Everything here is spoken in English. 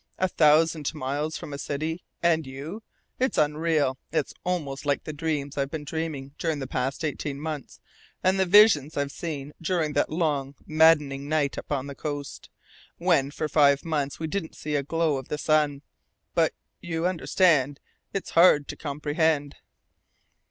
A thousand miles from a city and you! It's unreal. It's almost like the dreams I've been dreaming during the past eighteen months, and the visions I've seen during that long, maddening night up on the coast, when for five months we didn't see a glow of the sun. But you understand it's hard to comprehend."